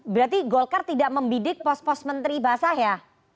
berarti golkar tidak membidik pos pos menteri basah ya